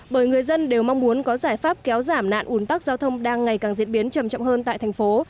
bởi người dân đều mong muốn có giải pháp kéo giảm nạn ủn tắc giao thông đang ngày càng diễn biến trầm trọng hơn tại thành phố